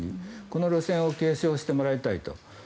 この路線を継承してもらいたいと。